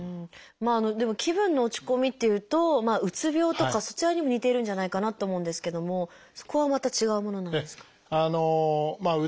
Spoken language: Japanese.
でも「気分の落ち込み」っていうとうつ病とかそちらにも似ているんじゃないかなって思うんですけどもそこはまた違うものなんですか？